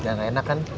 jangan enak kan